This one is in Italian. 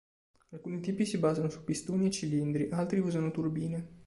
Alcuni tipi si basano su pistoni e cilindri, altri usano turbine.